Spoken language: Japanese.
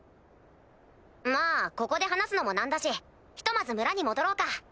まぁここで話すのもなんだしひとまず村に戻ろうか。